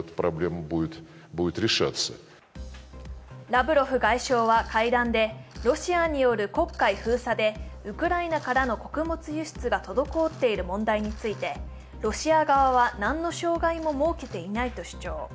ラブロフ外相は会談でロシアによる黒海封鎖でウクライナからの穀物輸出が滞っている問題についてロシア側は何の障害も設けていないと主張。